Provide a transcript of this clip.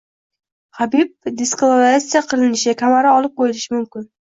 Xabib diskvalifikatsiya qilinishi, kamari olib qoʻyilishi mumkin.